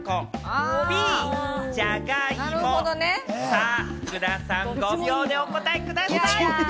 さぁ福田さん、５秒でお答えください。